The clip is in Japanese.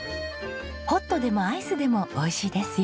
ホットでもアイスでも美味しいですよ。